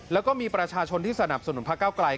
แล้วก็มีประชาชนที่สนับสนุนพระเก้าไกล